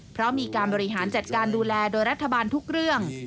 เพราะมีการบริหารจัดการดูแลโดยรัฐบาลทุกเรื่อง